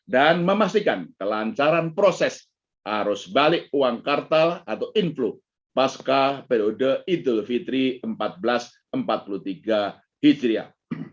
dan memastikan kelancaran proses arus balik uang kartal atau inflow pasca periode idul fitri seribu empat ratus empat puluh tiga hijriah